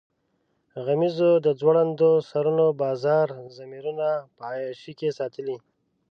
غمیزو د ځوړندو سرونو بازاري ضمیرونه په عیاشۍ کې ساتلي.